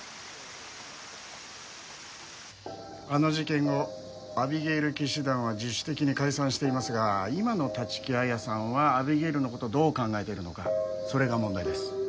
あの事件後アビゲイル騎士団は自主的に解散していますが今の立木彩さんはアビゲイルの事どう考えているのかそれが問題です。